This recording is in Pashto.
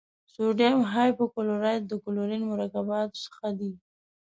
سوډیم هایپو کلورایټ د کلورین مرکباتو څخه دی.